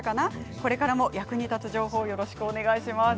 これからも役に立つ情報をよろしくお願いします。